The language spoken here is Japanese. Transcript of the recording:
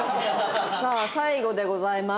さあ最後でございます。